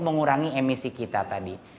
mengurangi emisi kita tadi